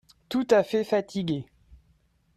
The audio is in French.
Tout à fait fatigué.